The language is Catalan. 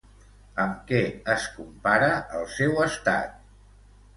Amb què es compara el seu estat?